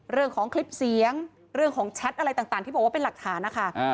เรื่องของคลิปเสียงเรื่องของแชทอะไรต่างที่บอกว่าเป็นหลักฐานนะคะ